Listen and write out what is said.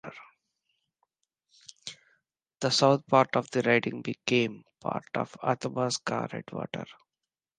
The south part of the riding became part of Athabasca-Redwater.